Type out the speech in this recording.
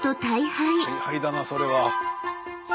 大敗だなそれは。